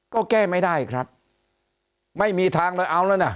ก็แก้ไม่ได้ครับไม่มีทางเลยเอาแล้วนะ